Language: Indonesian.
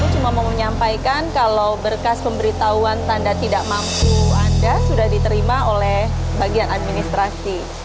cuma mau menyampaikan kalau berkas pemberitahuan tanda tidak mampu anda sudah diterima oleh bagian administrasi